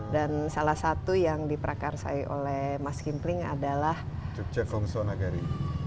dan salah satu yang diperkarsai oleh mas kimpling adalah jogja kungsu nagari